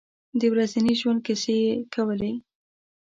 د ورځني ژوند کیسې یې کولې.